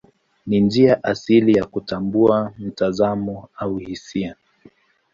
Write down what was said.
Ni njia asili ya kutambua mtazamo au hisia.